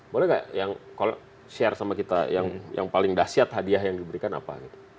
boleh nggak yang kalau share sama kita yang paling dahsyat hadiah yang diberikan apa